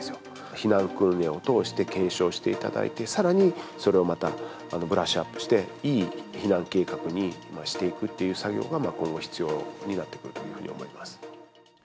避難訓練を通して検証していただいて、さらにそれをまたブラッシュアップして、いい避難計画にしていくという作業が今後、必要になってくるというふうに思います。